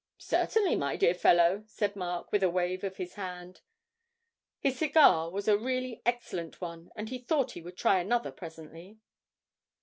'Certainly, my dear fellow,' said Mark, with a wave of his hand. His cigar was a really excellent one, and he thought he would try another presently.